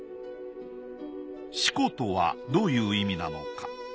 「四庫」とはどういう意味なのか？